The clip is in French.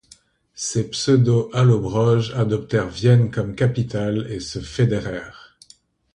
Ces pseudo-Allobroges adoptèrent Vienne comme capitale et se fédérèrent.